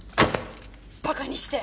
バカにして！